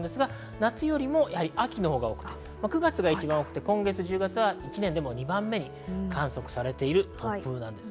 夏より秋のほうが多くて９月が一番多く、１０月は１年でも２番目に観測されている突風です。